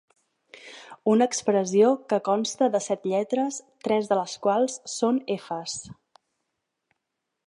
Una expressió que consta de set lletres, tres de les quals són efes».